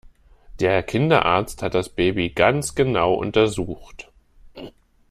Der Kinderarzt hat das Baby ganz genau untersucht.